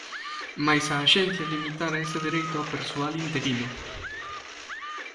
Mais a axencia limitara ese dereito ao persoal interino.